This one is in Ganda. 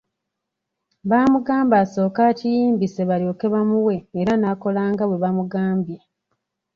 Baamugamba asooke akiyimbise balyoke bamuwe era n'akola nga bwe bamugambye.